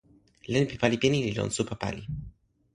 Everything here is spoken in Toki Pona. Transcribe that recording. len pi pali pini li lon supa pali.